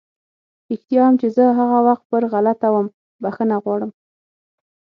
رښتيا هم چې زه هغه وخت پر غلطه وم، بښنه غواړم!